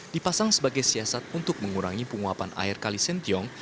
dipasang sebagai siasat untuk mengurangi penguapan air kali sentiong